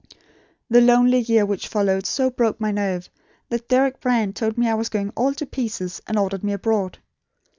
"The lonely year which followed so broke my nerve, that Deryck Brand told me I was going all to pieces, and ordered me abroad.